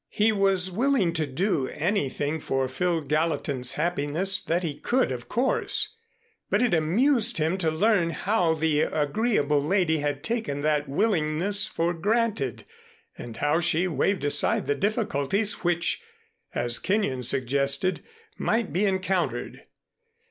He was willing to do anything for Phil Gallatin's happiness that he could, of course, but it amused him to learn how the agreeable lady had taken that willingness for granted, and how she waved aside the difficulties which, as Kenyon suggested, might be encountered.